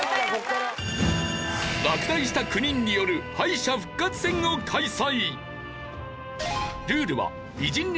落第した９人による敗者復活戦を開催。